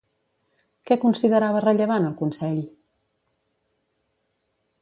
Què considerava rellevant el Consell?